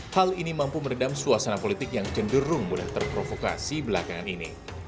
hal ini mampu meredam suasana politik yang cenderung mudah terprovokasi belakangan ini